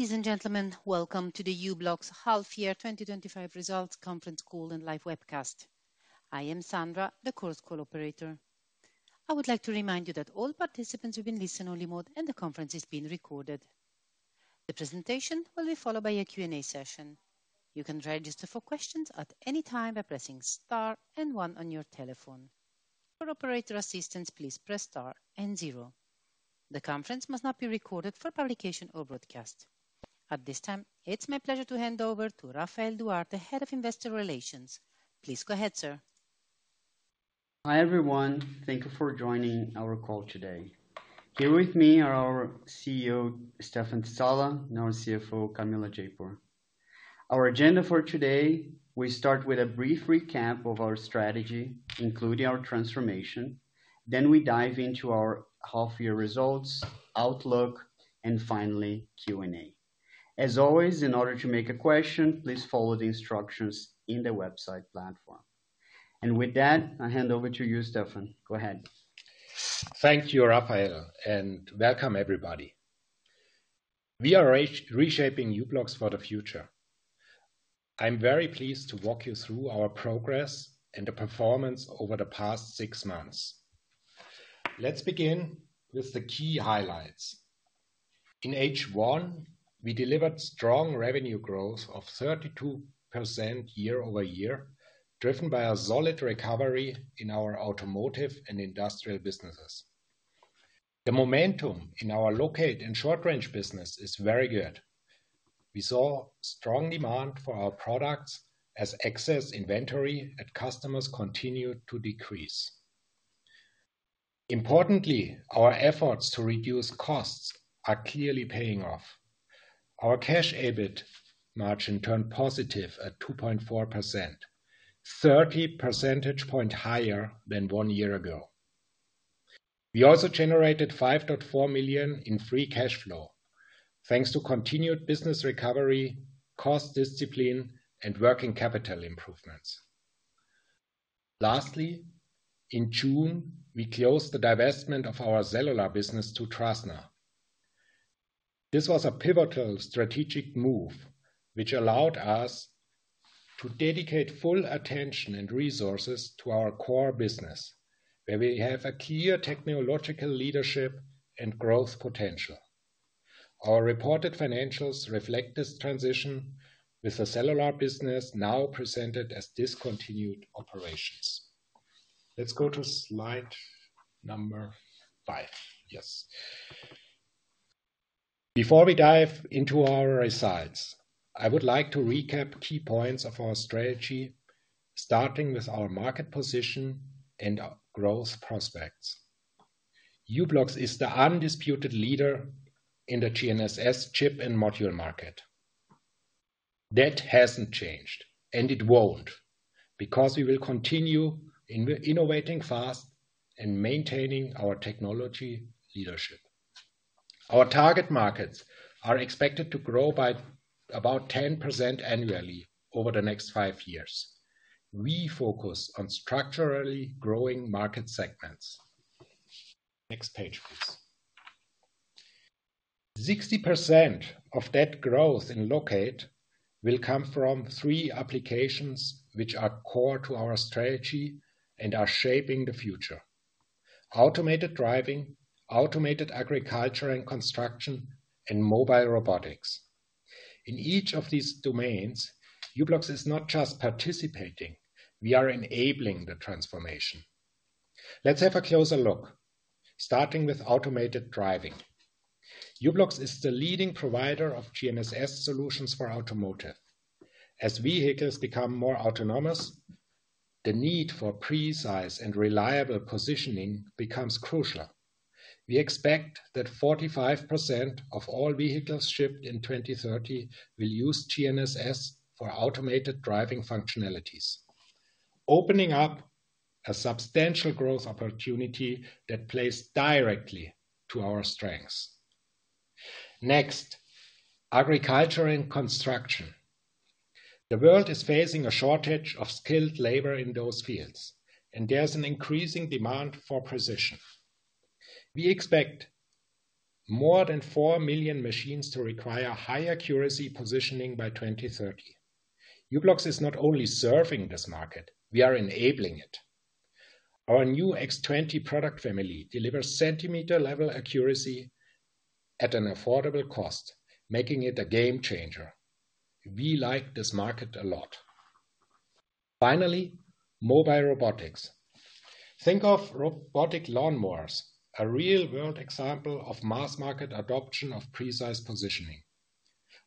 Ladies and gentlemen, welcome to the uBlock's Half Year twenty twenty five Results Conference Call and Live Webcast. I am Sandra, the Chorus Call operator. I would like to remind you that all participants are in listen only mode and the conference is being recorded. The presentation will be followed by a Q and A session. The conference must not be recorded for publication or broadcast. At this time, it's my pleasure to hand over to Rafael Duarte, Head of Investor Relations. Please go ahead, sir. Hi, everyone. Thank you for joining our call today. Here with me are our CEO, Stefan Salla and our CFO, Camilo Jayapur. Our agenda for today, we start with a brief recap of our strategy, including our transformation, then we dive into our half year results, outlook and finally Q and A. As always, in order to make a question, please follow the instructions in the website platform. And with that, I hand over to you, Stefan. Go ahead. Thank you, Rafael, and welcome everybody. We are reshaping uBlocks for the future. I'm very pleased to walk you through our progress and the performance over the past six months. Let's begin with the key highlights. In H1, we delivered strong revenue growth of 32% year over year, driven by a solid recovery in our automotive and industrial businesses. The momentum in our locate and short range business is very good. We saw strong demand for our products as excess inventory at customers continued to decrease. Importantly, our efforts to reduce costs are clearly paying off. Our cash EBIT margin turned positive at 2.4%, 30 percentage point higher than one year ago. We also generated 5,400,000.0 in free cash flow, thanks to continued business recovery, cost discipline and working capital improvements. Lastly, in June, we closed the divestment of our cellular business to TRASNA. This was a pivotal strategic move, which allowed us to dedicate full attention and resources to our core business, where we have a key technological leadership and growth potential. Our reported financials reflect this transition with the cellular business now presented as discontinued operations. Let's go to Slide five. Yes. Before we dive into our results, I would like to recap key points of our strategy, starting with our market position and our growth prospects. UBlocks is the undisputed leader in the GNSS chip and module market. That hasn't changed, and it won't because we will continue innovating fast and maintaining our technology leadership. Our target markets are expected to grow by about 10% annually over the next five years. We focus on structurally growing market segments. Next page, please. 60% of that growth in LOCADE will come from three applications, which are core to our strategy and are shaping the future: automated driving, automated agriculture and construction and mobile robotics. In each of these domains, uBlocks is not just participating, we are enabling the transformation. Let's have a closer look, starting with automated driving. UBlocks is the leading provider of GNSS solutions for automotive. As vehicles become more autonomous, the need for precise and reliable positioning becomes crucial. We expect that 45% of all vehicles shipped in 2030 will use GNSS for automated driving functionalities, opening up a substantial growth opportunity that plays directly to our strengths. Next, agriculture and construction. The world is facing a shortage of skilled labor in those fields, and there's an increasing demand for precision. We expect more than 4,000,000 machines to require high accuracy positioning by 02/1930. UBlocks is not only serving this market, we are enabling it. Our new X20 product family delivers centimeter level accuracy at an affordable cost, making it a game changer. We like this market a lot. Finally, mobile robotics. Think of robotic lawnmowers, a real world example of mass market adoption of precise positioning.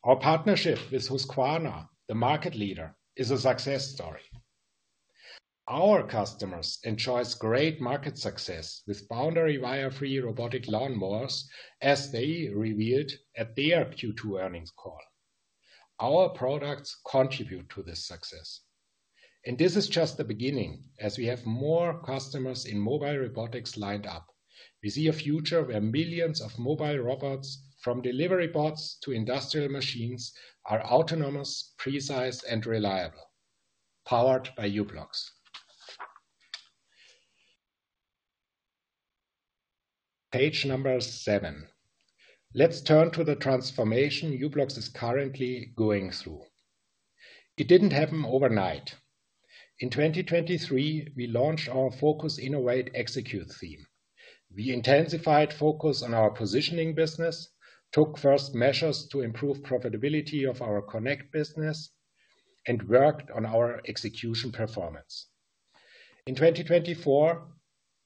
Our partnership with Husqvarna, the market leader, is a success story. Our customers enjoy great market success with boundary wire free robotic lawnmowers as they revealed at their Q2 earnings call. Our products contribute to this success. And this is just the beginning as we have more customers in mobile robotics lined up. We see a future where millions of mobile robots from delivery bots to industrial machines are autonomous, precise and reliable, powered by uBlocks. Page seven. Let's turn to the transformation uBlocks is currently going through. It didn't happen overnight. In 2023, we launched our focus, innovate, execute theme. We intensified focus on our positioning business, took first measures to improve profitability of our Connect business and worked on our execution performance. In 2024,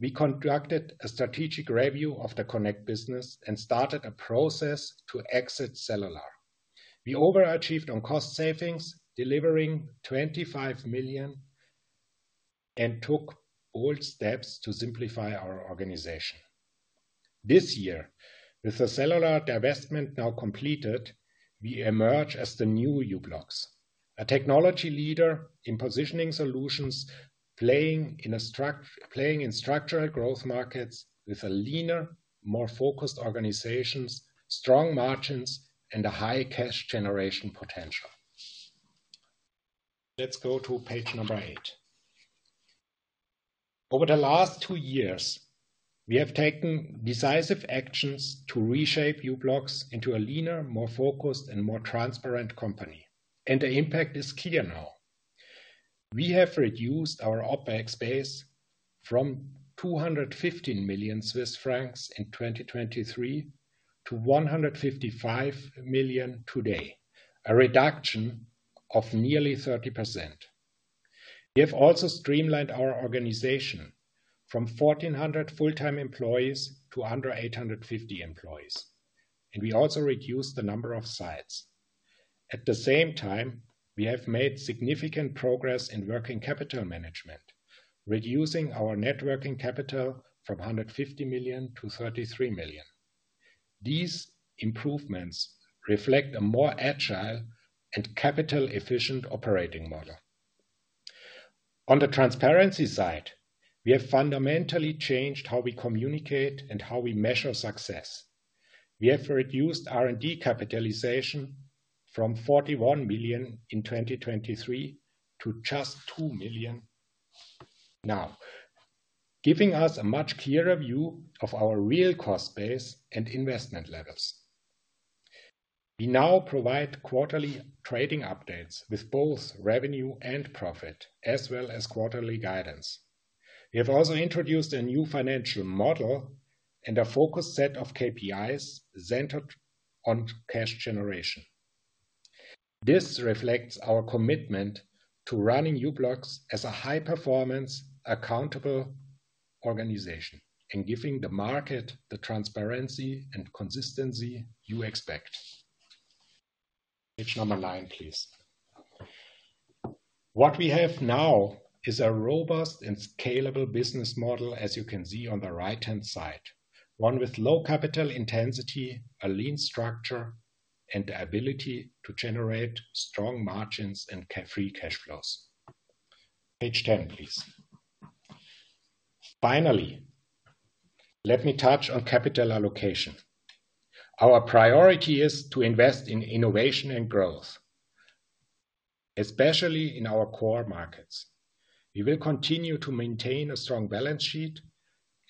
we conducted a strategic review of the Connect business and started a process to exit cellular. We overachieved on cost savings, delivering 25,000,000 and took old steps to simplify our organization. This year, with the cellular divestment now completed, we emerge as the new uBlocks, a technology leader in positioning solutions, playing structural growth markets with a leaner, more focused organizations, strong margins and a high cash generation potential. Let's go to Page eight. Over the last two years, we have taken decisive actions to reshape uBlocks into a leaner, more focused and more transparent company, and the impact is clear now. We have reduced our OpEx base from $215,000,000 in 2023 to 155,000,000 today, a reduction of nearly 30%. We have also streamlined our organization from 1,400 full time employees to under eight fifty employees, and we also reduced the number of sites. At the same time, we have made significant progress in working capital management, reducing our net working capital from 150,000,000 to 33,000,000. These improvements reflect a more agile and capital efficient operating model. On the transparency side, we have fundamentally changed how we communicate and how we measure success. We have reduced R and D capitalization from 41,000,000 in 2023 to just 2,000,000 now, giving us a much clearer view of our real cost base and investment levels. We now provide quarterly trading updates with both revenue and profit as well as quarterly guidance. We have also introduced a new financial model and a focused set of KPIs centered on cash generation. This reflects our commitment to running uBlocks as a high performance, accountable organization and giving the market the transparency and consistency you expect. Page number nine, please. What we have now is a robust and scalable business model, as you can see on the right hand side, one with low capital intensity, a lean structure and the ability to generate strong margins and free cash flows. Page 10, please. Finally, let me touch on capital allocation. Our priority is to invest in innovation and growth, especially in our core markets. We will continue to maintain a strong balance sheet.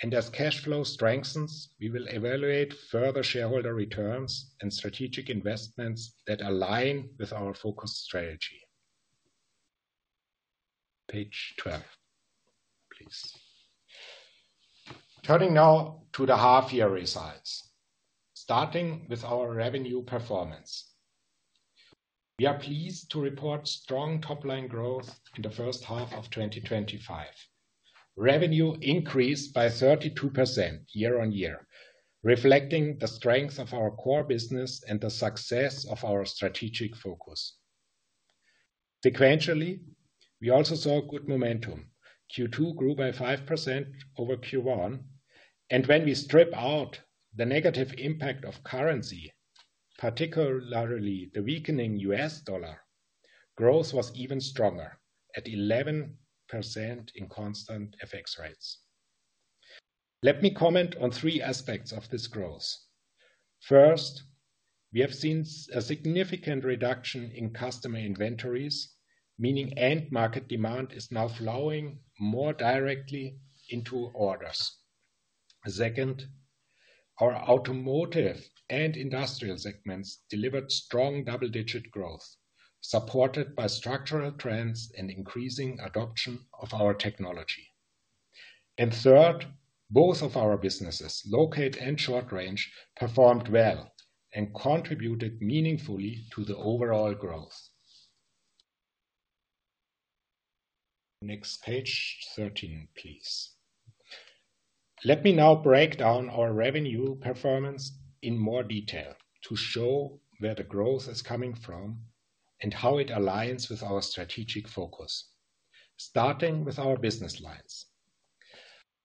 And as cash flow strengthens, we will evaluate further shareholder returns and strategic investments that align with our focused strategy. Page 12, please. Turning now to the half year results. Starting with our revenue performance. We are pleased to report strong top line growth in the 2025. Revenue increased by 32% year on year, reflecting the strength of our core business and the success of our strategic focus. Sequentially, we also saw good momentum. Q2 grew by 5% over Q1. And when we strip out the negative impact of currency, particularly the weakening U. S. Dollar, growth was even stronger at 11% in constant FX rates. Let me comment on three aspects of this growth. First, we have seen a significant reduction in customer inventories, meaning end market demand is now flowing more directly into orders. Second, our Automotive and Industrial segments delivered strong double digit growth, supported by structural trends and increasing adoption of our technology. And third, both of our businesses, Locate and Short Range, performed well and contributed meaningfully to the overall growth. Next, Page 13, please. Let me now break down our revenue performance in more detail to show where the growth is coming from and how it aligns with our strategic focus, starting with our business lines.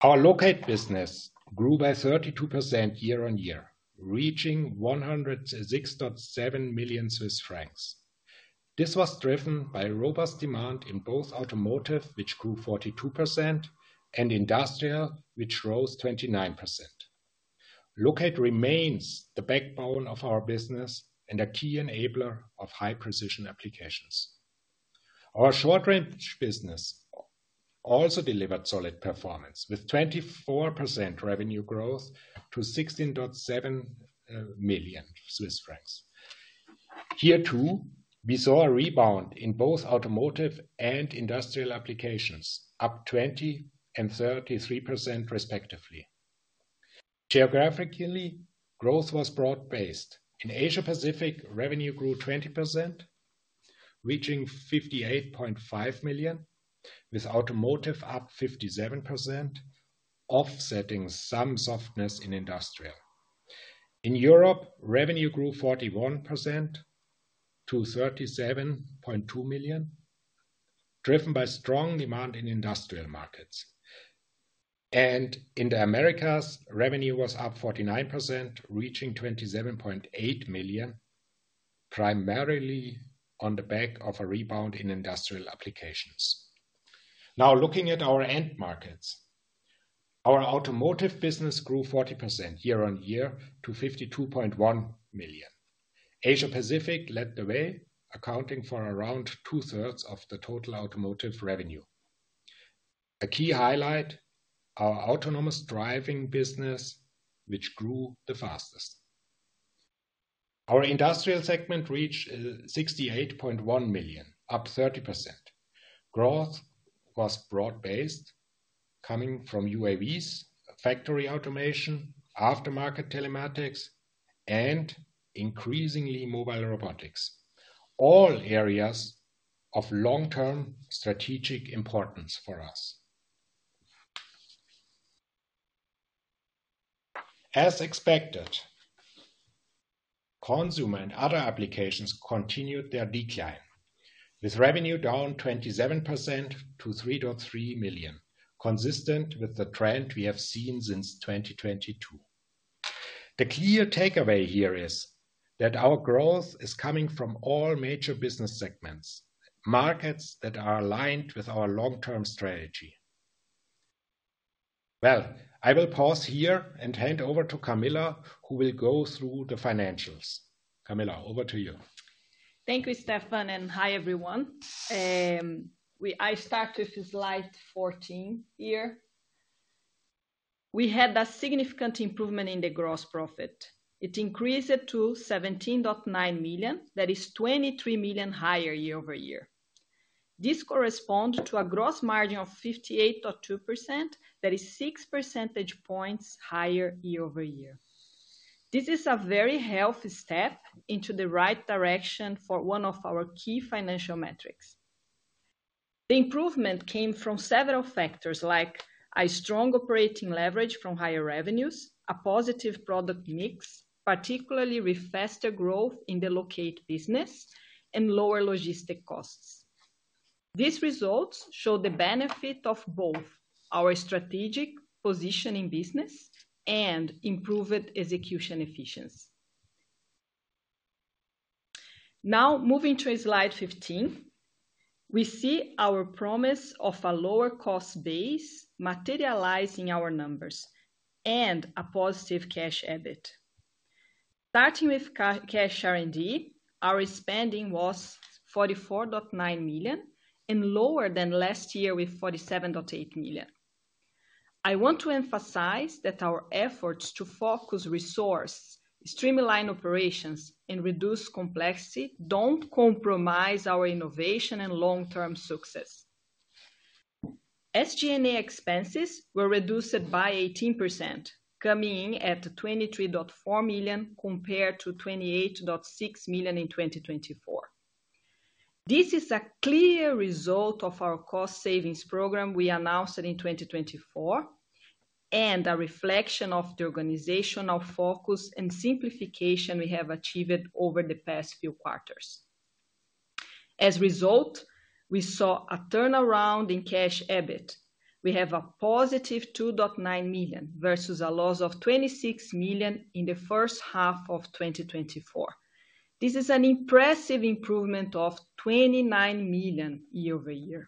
Our locate business grew by 32% year on year, reaching 106,700,000.0 Swiss francs. This was driven by robust demand in both automotive, which grew 42%, and industrial, which rose 29. LOCADE remains the backbone of our business and a key enabler of high precision applications. Our short range business also delivered solid performance with 24% revenue growth to 16,700,000.0 Swiss francs. Here, too, we saw a rebound in both automotive and industrial applications, up twenty percent and thirty three percent, respectively. Geographically, growth was broad based. In Asia Pacific, revenue grew 20%, reaching 58,500,000.0, with automotive up 57%, offsetting some softness in industrial. In Europe, revenue grew 41% to €37,200,000 driven by strong demand in industrial markets. And in The Americas, revenue was up 49%, reaching 27,800,000.0, primarily on the back of a rebound in industrial applications. Now looking at our end markets. Our automotive business grew 40% year on year to 52,100,000.0. Asia Pacific led the way, accounting for around twothree of the total automotive revenue. A key highlight, our autonomous driving business, which grew the fastest. Our Industrial segment reached 68,100,000.0, up 30%. Growth was broad based coming from UAVs, factory automation, aftermarket telematics and increasingly mobile robotics, all areas of long term strategic importance for us. As expected, consumer and other applications continued their decline, with revenue down 27% to 3,300,000.0, consistent with the trend we have seen since 2022. The clear takeaway here is that our growth is coming from all major business segments, markets that are aligned with our long term strategy. Well, I will pause here and hand over to Camilla, who will go through the financials. Camilla, over to you. Thank you, Stefan, and hi, everyone. I start with Slide 14 here. We had a significant improvement in the gross profit. It increased to $17,900,000 that is $23,000,000 higher year over year. This corresponds to a gross margin of 58.2% that is six percentage points higher year over year. This is a very healthy step into the right direction for one of our key financial metrics. The improvement came from several factors like a strong operating leverage from higher revenues, a positive product mix, particularly with faster growth in the locate business and lower logistic costs. These results show the benefit of both our strategic positioning business and improved execution efficiency. Now moving to slide 15, we see our promise of a lower cost base materializing our numbers and a positive cash EBIT. Starting with cash R and D, our spending was $44,900,000 and lower than last year with $47,800,000 I want to emphasize that our efforts to focus resource, streamline operations and reduce complexity don't compromise our innovation and long term success. SG and A expenses were reduced by 18%, coming at 23,400,000 compared to $28,600,000 in 2024. This is a clear result of our cost savings program we announced in 2024 and a reflection of the organizational focus and simplification we have achieved over the past few quarters. As a result, we saw a turnaround in cash EBIT. We have a positive €2,900,000 versus a loss of €26,000,000 in the 2024. This is an impressive improvement of €29,000,000 year over year.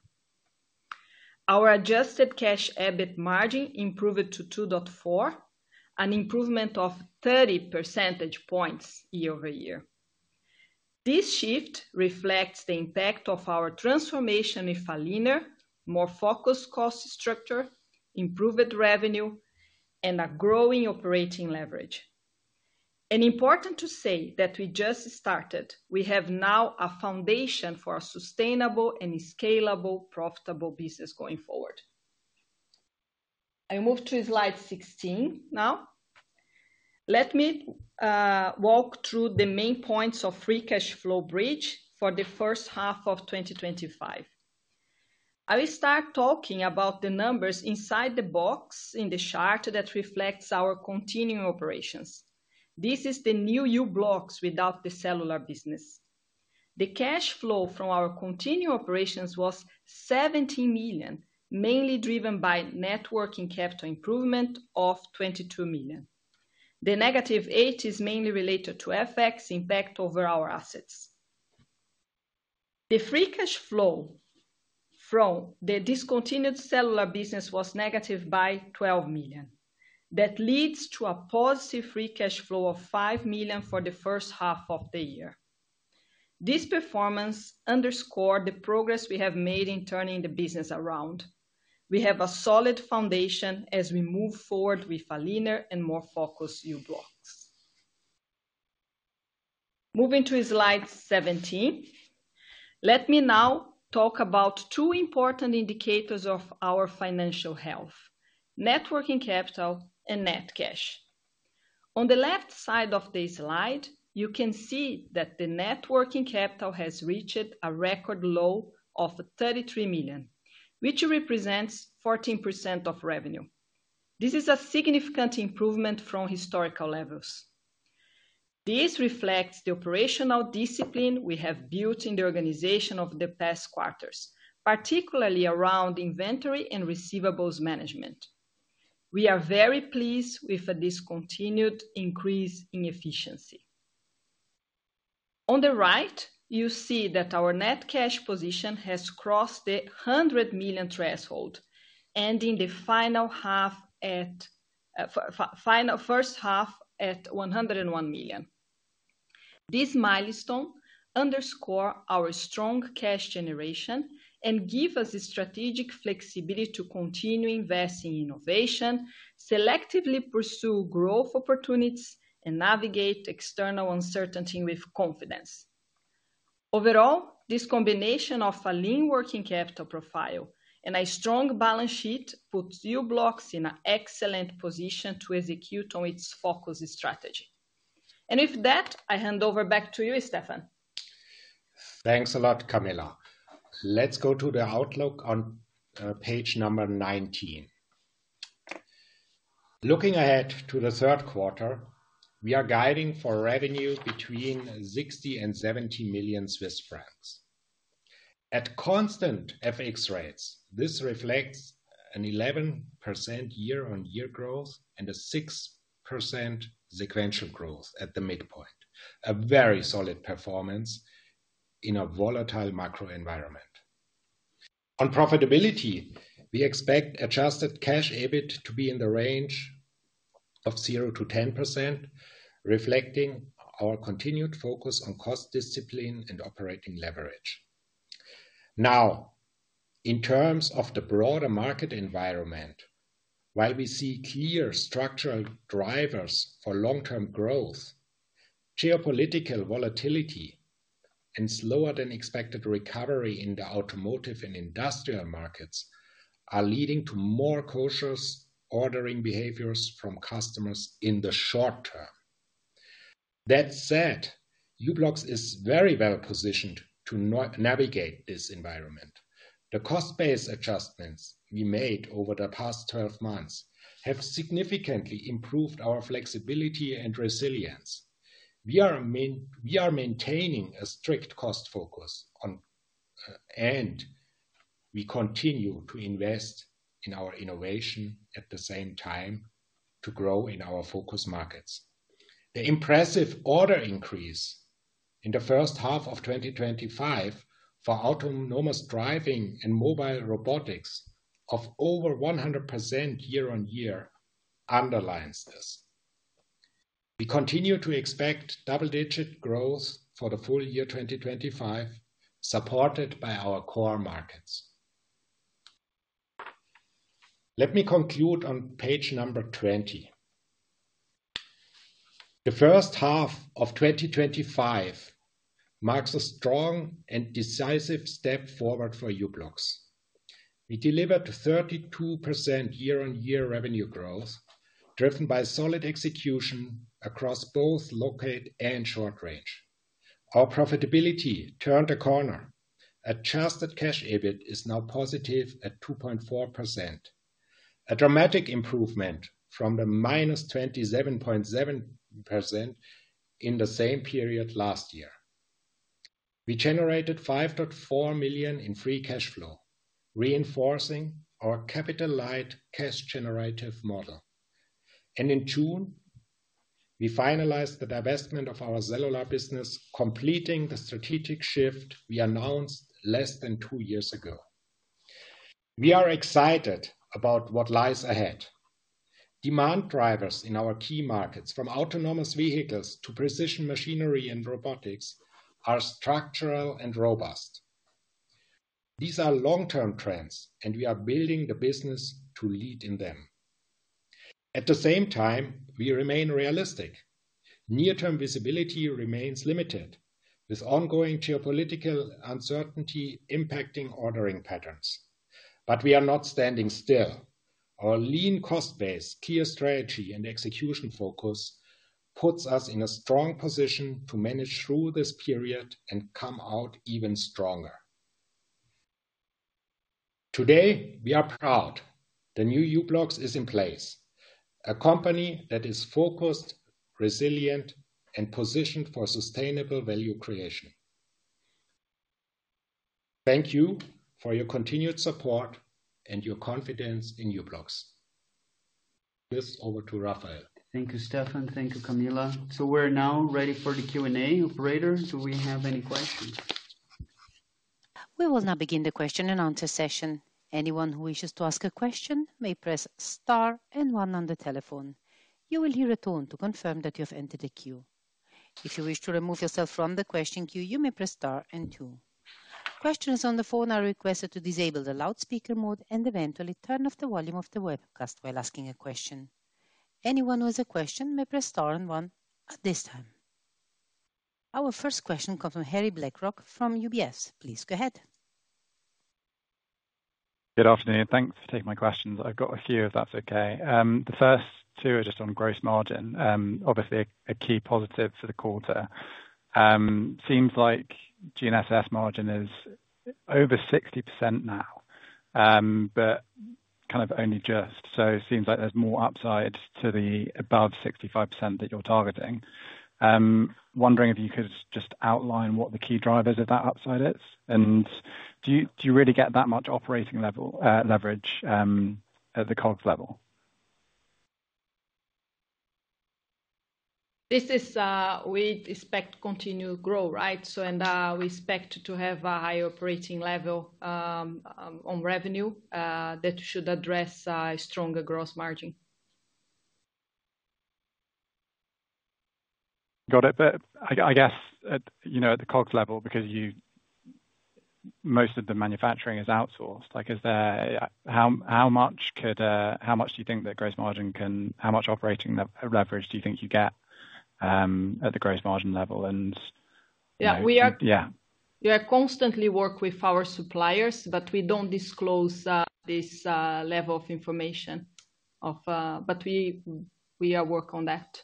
Our adjusted cash EBIT margin improved to 2.4, an improvement of 30 percentage points year over year. This shift reflects the impact of our transformation with a leaner, more focused cost structure, improved revenue and a growing operating leverage. And important to say that we just started, we have now a foundation for a sustainable and scalable profitable business going forward. I move to Slide 16 now. Let me walk through the main points of free cash flow bridge for the 2025. I will start talking about the numbers inside the box in the chart that reflects our continuing operations. This is the new U blocks without the cellular business. The cash flow from our continuing operations was million mainly driven by net working capital improvement of $22,000,000 The negative 8,000,000 is mainly related to FX impact over our assets. The free cash flow from the discontinued cellular business was negative by $12,000,000 That leads to a positive free cash flow of $5,000,000 for the first half of the year. This performance underscore the progress we have made in turning the business around. We have a solid foundation as we move forward with a leaner and more focused U Blocks. Moving to slide 17, let me now talk about two important indicators of our financial health, net working capital and net cash. On the left side of this slide, you can see that the net working capital has reached a record low of $33,000,000 which represents 14% of revenue. This is a significant improvement from historical levels. This reflects the operational discipline we have built in the organization over the past quarters, particularly around inventory and receivables management. We are very pleased with this continued increase in efficiency. On the right, you see that our net cash position has crossed the €100,000,000 threshold, ending the final half at first half at $101,000,000 This milestone underscore our strong cash generation and give us a strategic flexibility to continue investing innovation, selectively pursue growth opportunities and navigate external uncertainty with confidence. Overall, this combination of a lean working capital profile and a strong balance sheet puts uBlocks in an excellent position to execute on its focused strategy. And with that, I hand over back to you, Stefan. Thanks a lot, Camilla. Let's go to the outlook on Page number 19. Looking ahead to the third quarter, we are guiding for revenue between 60,000,000 and 70,000,000 Swiss francs. At constant FX rates, this reflects an 11% year on year growth and a 6% sequential growth at the midpoint, a very solid performance in a volatile macro environment. On profitability, we expect adjusted cash EBIT to be in the range of 0% to 10%, reflecting our continued focus on cost discipline and operating leverage. Now in terms of the broader market environment, while we see clear structural drivers for long term growth, geopolitical volatility and slower than expected recovery in the automotive and industrial markets are leading to more cautious ordering behaviors from customers in the short term. That said, uBlocks is very well positioned to navigate this environment. The cost base adjustments we made over the past twelve months have significantly improved our flexibility and resilience. We are maintaining a strict cost focus on and we continue to invest in our innovation at the same time to grow in our focus markets. The impressive order increase in the 2025 for autonomous driving and mobile robotics of over 100% year on year underlines this. We continue to expect double digit growth for the full year 2025, supported by our core markets. Let me conclude on Page number 20. The 2025 marks a strong and decisive step forward for uBlocks. We delivered 32% year on year revenue growth, driven by solid execution across both locate and short range. Our profitability turned the corner. Adjusted cash EBIT is now positive at 2.4%, a dramatic improvement from the minus 27.7% in the same period last year. We generated 5,400,000.0 in free cash flow, reinforcing our capital light cash generative model. And in June, we finalized the divestment of our cellular business, completing the strategic shift we announced less than two years ago. We are excited about what lies ahead. Demand drivers in our key markets from autonomous vehicles to precision machinery and robotics are structural and robust. These are long term trends, and we are building the business to lead in them. At the same time, we remain realistic. Near term visibility remains limited with ongoing geopolitical uncertainty impacting ordering patterns. But we are not standing still. Our lean cost base, clear strategy and execution focus puts us in a strong position to manage through this period and come out even stronger. Today, we are proud the new uBlocks is in place, a company that is focused, resilient and positioned for sustainable value creation. Thank you for your continued support and your confidence in UBLOX. This over to Rafael. Thank you, Stefan. Thank you, Camilla. So we're now ready for the Q and A. Operator, do we have any questions? We will now begin the question and answer session. Our first question comes from Harry Blackrock from UBS. Please go ahead. Good afternoon. Thanks for taking my questions. I've got a few, if that's okay. The first two are just on gross margin. Obviously, a key positive for the quarter. It seems like GNSS margin is over 60% now, but kind of only just. So it seems like there's more upside to the above 65% that you're targeting. Wondering if you could just outline what the key drivers of that upside is? And do you really get that much operating leverage at the COGS level? This is we expect continued growth, right? So and we expect to have a high operating level on revenue that should address stronger gross margin. Got it. But I guess, the COGS level, because you most of the manufacturing is outsourced, like is there how much could how much do you think that gross margin can how much operating leverage do you think you get at the gross margin level? And Yes. Are constantly work with our suppliers, but we don't disclose this level of information of but we are working on that.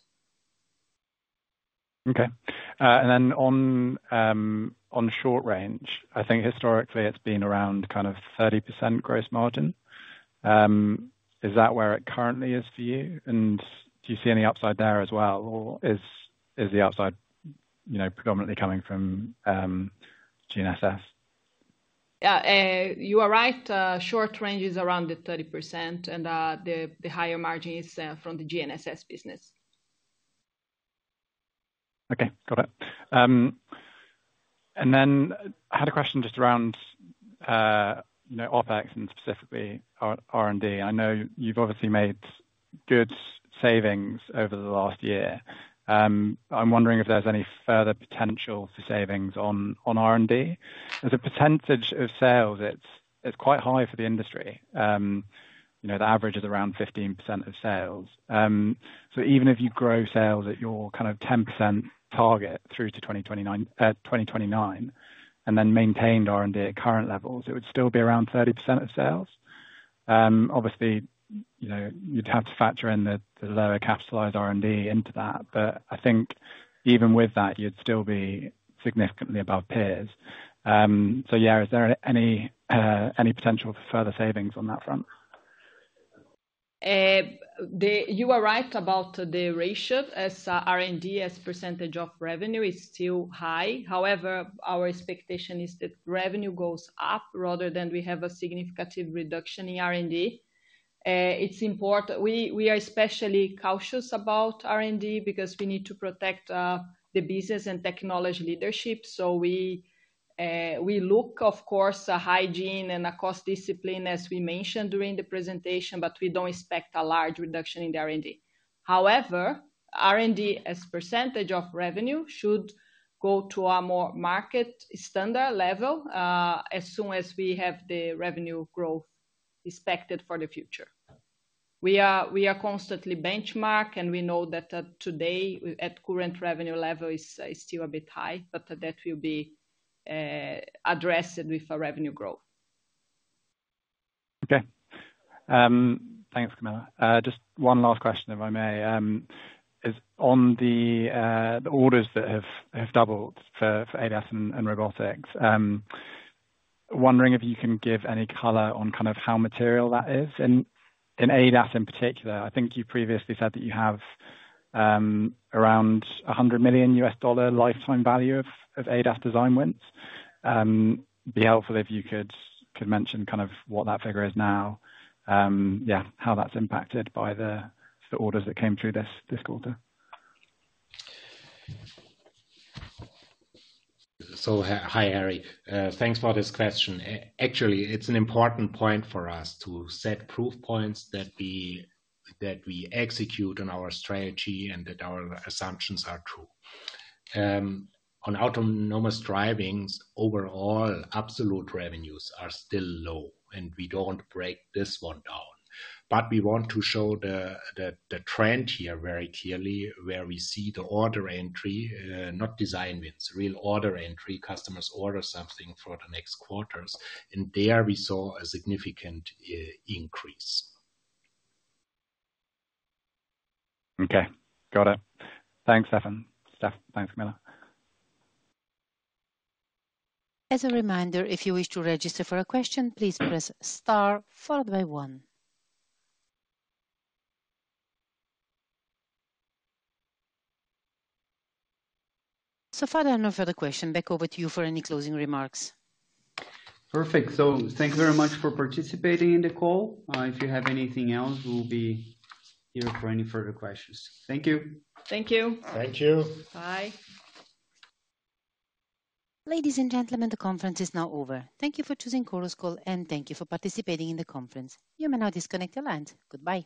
Okay. And then on short range, I think historically, it's been around kind of 30% gross margin. Is that where it currently is for you? And do you see any upside there as well? Or is the upside predominantly coming from GNSS? Yes. You are right. Short range is around the 30% and the higher margin is from the GNSS business. Okay. Got it. And then I had a question just around OpEx and specifically R and D. I know you've obviously made good savings over the last year. I'm wondering if there's any further potential for savings on R and D. As a percentage of sales, it's quite high for the industry. The average is around 15% of sales. So even if you grow sales at your kind of 10% target through to 2029 and then maintained R and D at current levels, it would still be around 30% of sales. Obviously, you'd have to factor in the lower capitalized R and D into that. But I think even with that, you'd still be significantly above peers. So yes, is there any potential for further savings on that front? You are right about the ratio as R and D as a percentage of revenue is still high. However, our expectation is that revenue goes up rather than we have a significant reduction in R and D. It's important we are especially cautious about R and D because we need to protect the business and technology leadership. So we look, of course, hygiene and the cost discipline, as we mentioned during the presentation, but we don't expect a large reduction in the R and D. However, R and D as a percentage of revenue should go to a more market standard level as soon as we have the revenue growth expected for the future. We are constantly benchmark, and we know that today, at current revenue level, it's still a bit high, but that will be addressed with our revenue growth. Okay. Thanks, Camilla. Just one last question, if I may. On the orders that have doubled for ADAS and robotics, Wondering if you can give any color on kind of how material that is in ADAS in particular. I think you previously said that you have around 100,000,000 US dollar lifetime value of ADAS design wins. It'd be helpful if you could mention kind of what that figure is now. Yes, how that's impacted by the orders that came through this quarter? Harry, thanks for this question. Actually, it's an important point for us to set proof points that we execute on our strategy and that our assumptions are true. On autonomous driving, overall, revenues are still low, and we don't break this one down. But we want to show the trend here very clearly where we see the order entry, not design wins, real order entry, customers order something for the next quarters. And there, we saw a significant increase. Okay. Got it. Thanks, Stefan. Steph, thanks, So far, there are no further questions. Back over to you for any closing remarks. Perfect. So thank you very much for participating in the call. If you have anything else, we'll be here for any further questions. Thank you. Thank you. Thank you. Bye. Ladies and gentlemen, the conference is now over. Thank you for choosing Chorus Call and thank you for participating in the conference. You may now disconnect your lines. Goodbye.